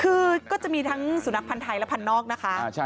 คือก็จะมีทั้งสุนัขพันธ์ไทยและพันธ์นอกนะคะ